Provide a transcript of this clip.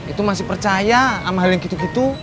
itu masih percaya sama hal yang gitu gitu